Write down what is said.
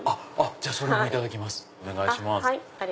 じゃあそれもいただきます。